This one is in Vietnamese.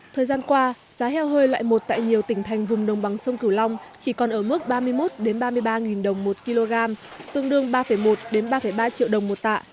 thời gian qua giá heo hơi loại một tại nhiều tỉnh thành vùng đồng bằng sông cửu long chỉ còn ở mức ba mươi một ba mươi ba đồng một kg tương đương ba một ba triệu đồng một tạ